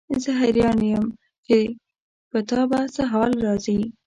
زه حیران یم چې په تا به څه حال راځي.